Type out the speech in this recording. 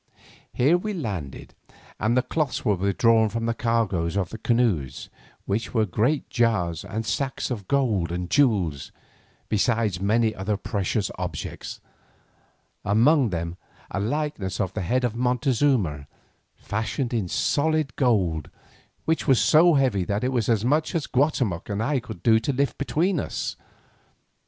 Here we landed, and the cloths were withdrawn from the cargoes of the canoes, which were great jars and sacks of gold and jewels, besides many other precious objects, among them a likeness of the head of Montezuma, fashioned in solid gold, which was so heavy that it was as much as Guatemoc and I could do to lift it between us.